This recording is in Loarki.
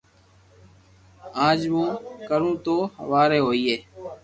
اج مون ڪرو تو ھواري ھوئي